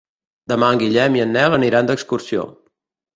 Demà en Guillem i en Nel aniran d'excursió.